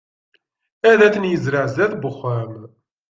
Ad ten-izreε zdat uxxam.